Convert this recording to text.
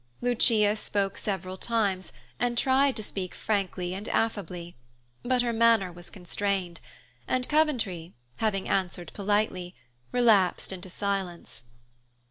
Lucia spoke several times, and tried to speak frankly and affably; but her manner was constrained, and Coventry, having answered politely, relapsed into silence.